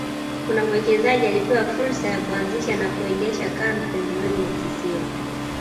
Kuna mwekezaji alipewa fursa ya kuanzisha na kuendesha kambi pembezoni mwa kisiwa